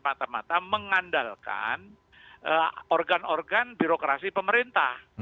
bisa hanya semata mata mengandalkan organ organ birokrasi pemerintah